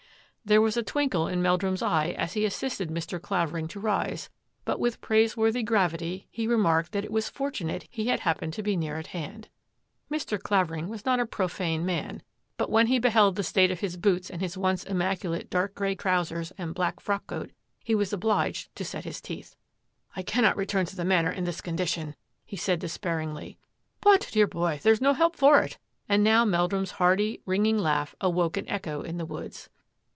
There was a twinkle in Meldrum's eye as he assisted Mr. Clavering to rise, but with praise worthy gravity he remarked that it was fortunate he had happened to be near at hand. Mr. Clavering was not a profane man, but when he beheld the state of his boots and his once immaculate dark grey trousers and black frock coat, he was obliged to set his teeth. " I cannot return to the Manor in this con dition," he said despairingly. " But, dear boy, there's no help for it," and now Meldrum's hearty, ringing laugh awoke an echo in the woods.